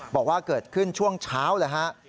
บอกว่าเกิดขึ้นช่วงเช้าเลยฮะ